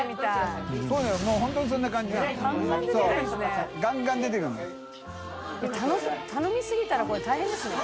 味戞頼みすぎたらこれ大変ですね。